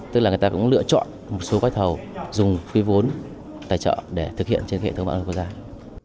tức là người ta cũng lựa chọn một số quái thầu dùng quy vốn tài trợ để thực hiện trên hệ thống mạng đấu thầu quốc gia